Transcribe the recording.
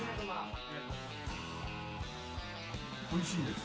おいしいです。